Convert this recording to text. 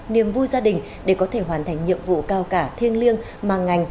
niềm vui gia đình để có thể hoàn thành nhiệm vụ cao cả thiêng liêng mà ngành